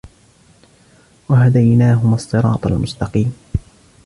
وَهَدَيْنَاهُمَا الصِّرَاطَ الْمُسْتَقِيمَ